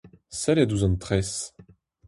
Sellit ouzh an tres.